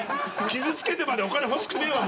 傷付けてまでお金欲しくねえわ。